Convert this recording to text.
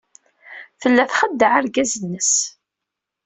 Tella txeddeɛ argaz-nnes.